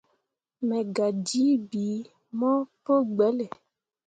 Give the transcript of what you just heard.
Me gah jii bii mo pu gbelle.